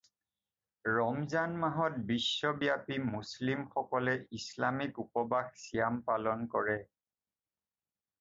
ৰমজান মাহত বিশ্বব্যাপী মুছলিম সকলে ইছলামিক উপবাস ছিয়াম পালন কৰে।